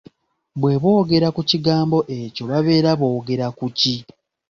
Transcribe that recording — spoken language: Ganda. Bwe boogera ku kigambo ekyo babeera boogera ku ki?